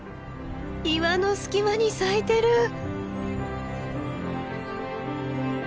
岩の隙間に咲いてる！